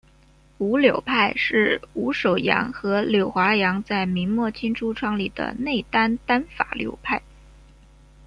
伍柳派是伍守阳和柳华阳在明末清初创立的内丹丹法流派。